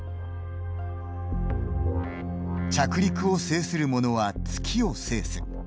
着陸を制するモノは月を制す。